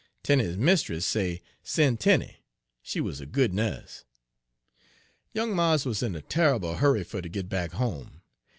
Tenie's mistiss say sen' Tenie; she wuz a good nuss. Young mars wuz in a tarrible hurry fer ter git back home.